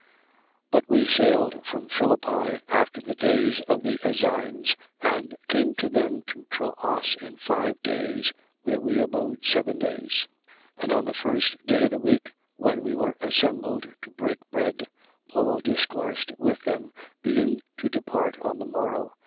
20:6. But we sailed from Philippi after the days of the azymes and came to them to Troas in five days, where we abode seven days. 20:7. And on the first day of the week, when we were assembled to break bread, Paul discoursed with them, being to depart on the morrow.